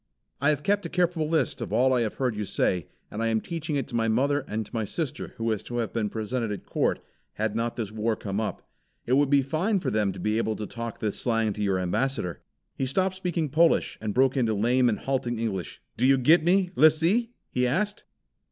I have kept a careful list of all I have heard you say, and I am teaching it to my mother and to my sister who was to have been presented at Court, had not this war come up. It would be fine for them to be able to talk this slang to your ambassador." He stopped speaking Polish, and broke into lame and halting English. "Do you get me, Lissee!" he asked.